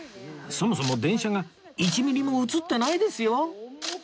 そもそも電車が１ミリも写ってないですよ